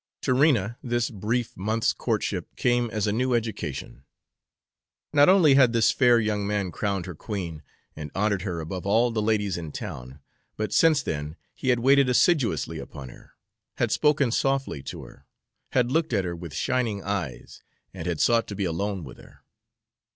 To Rena this brief month's courtship came as a new education. Not only had this fair young man crowned her queen, and honored her above all the ladies in town; but since then he had waited assiduously upon her, had spoken softly to her, had looked at her with shining eyes, and had sought to be alone with her.